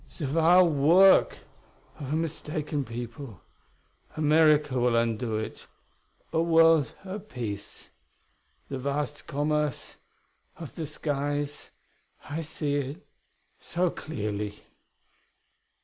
"The wild work of a mistaken people. America will undo it.... A world at peace.... The vast commerce of the skies I see it so clearly....